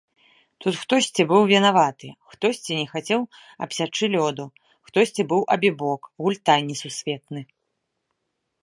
Тут хтосьці быў вінаваты, хтосьці не хацеў абсячы лёду, хтосьці быў абібок, гультай несусветны.